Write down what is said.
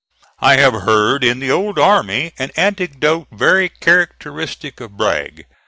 I have heard in the old army an anecdote very characteristic of Bragg.